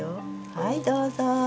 はいどうぞ。